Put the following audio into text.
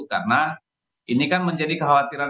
karena ini kan menjadi kekhawatiran